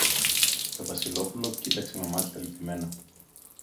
Το Βασιλόπουλο κοίταξε με μάτια λυπημένα